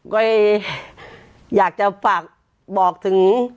ก็อยากจะฝากบอกถึง